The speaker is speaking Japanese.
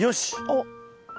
おっ。